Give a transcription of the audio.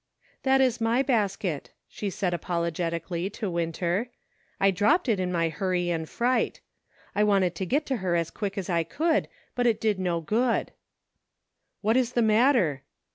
"That is my basket," she said, apologetically, to Winter ;" I dropped it in my hurry and fright ; I wanted to get to her as quick as I could, but it did no good," " What is the matter